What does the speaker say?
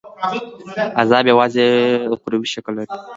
عذاب یوازي اُخروي شکل لري.